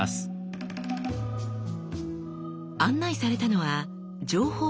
案内されたのは情報コーナー。